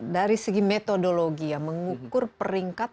dari segi metodologi ya mengukur peringkat